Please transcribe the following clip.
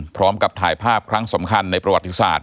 พร้อมกับถ่ายภาพครั้งสำคัญในประวัติศาสต